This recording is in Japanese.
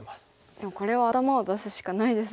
でもこれは頭を出すしかないですよね。